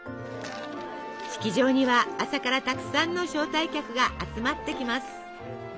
式場には朝からたくさんの招待客が集まってきます。